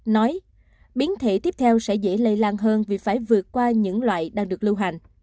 nói biến thể tiếp theo sẽ dễ lây lan hơn vì phải vượt qua những loại đang được lưu hành